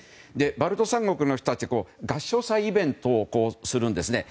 バルト三国の人たちは合唱祭イベントをするんですね。